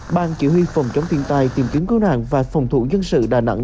ban chỉ huy phòng chống thiên tai tìm kiếm cứu nạn và phòng thủ dân sự đà nẵng